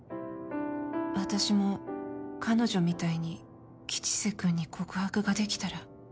私も彼女みたいに吉瀬君に告白ができたら。